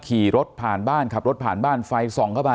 ขี่รถผ่านบ้านขับรถผ่านบ้านไฟส่องเข้าไป